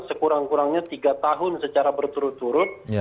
sekurang kurangnya tiga tahun secara berturut turut